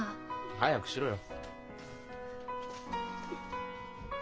早くしろよ。